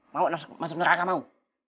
mau masuk neraka mau